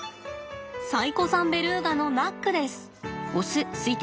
最古参ベルーガのナックです。